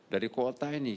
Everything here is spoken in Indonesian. dari kota ini